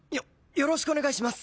よろしくお願いします。